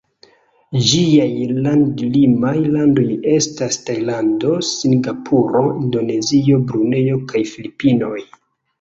Ĝiaj land-limaj landoj estas Tajlando, Singapuro, Indonezio, Brunejo kaj Filipinoj.